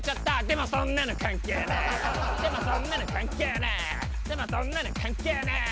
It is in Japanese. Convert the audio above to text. でもそんなの関係ねぇ。